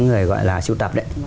người gọi là sưu tập đấy